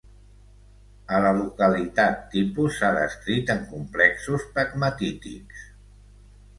A la localitat tipus s’ha descrit en complexos pegmatítics.